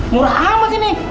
murah amat ini